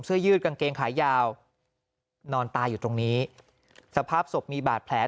ยืดกางเกงขายาวนอนตายอยู่ตรงนี้สภาพศพมีบาดแผล